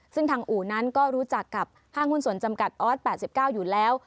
ซึ่งทางอู่นั้นก็รู้จักกับห้างหุ้นส่วนจำกัดออส๘๙อยู่แล้ว